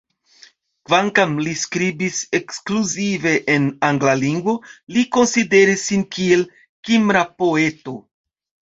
Kvankam li skribis ekskluzive en angla lingvo, li konsideris sin kiel kimra poeto.